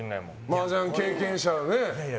マージャン経験者がね。